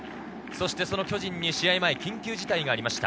巨人に試合前、緊急事態がありました。